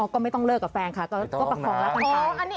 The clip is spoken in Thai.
ก็ไม่ต้องเลิกกับแฟนค่ะก็ประคองรักกันต่อ